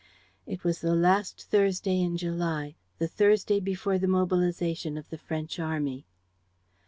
It was the last Thursday in July, the Thursday before the mobilization of the French army.